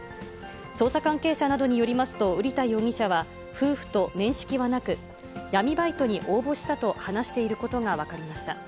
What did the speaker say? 捜査関係者などによりますと、瓜田容疑者は、夫婦と面識はなく、闇バイトに応募したと話していることが分かりました。